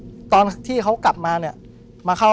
ผมก็ไม่เคยเห็นว่าคุณจะมาทำอะไรให้คุณหรือเปล่า